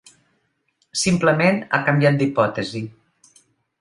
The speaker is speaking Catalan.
Simplement ha canviat d'hipòtesi.